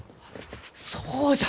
そうじゃ！